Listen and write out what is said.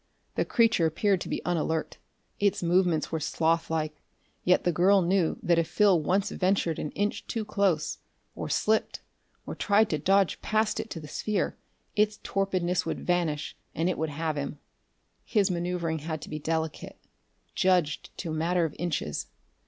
The creature appeared to be unalert; its movements were sloth like; yet the girl knew that if Phil once ventured an inch too close, or slipped, or tried to dodge past it to the sphere, its torpidness would vanish and it would have him. His maneuvering had to be delicate, judged to a matter of inches.